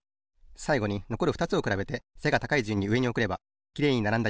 さいごにのこるふたつをくらべて背が高いじゅんにうえにおくればきれいにならんだ